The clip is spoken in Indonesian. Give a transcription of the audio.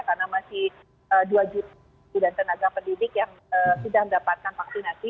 karena masih dua juta dan tenaga pendidik yang sudah mendapatkan vaksinasi